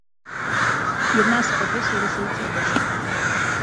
Jedná se o dvě související oblasti.